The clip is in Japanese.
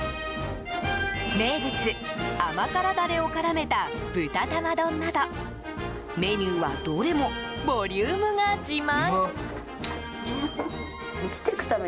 名物、甘辛ダレを絡めた豚玉丼などメニューは、どれもボリュームが自慢！